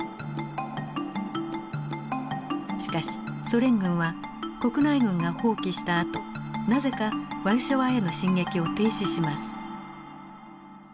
しかしソ連軍は国内軍が蜂起したあとなぜかワルシャワへの進撃を停止します。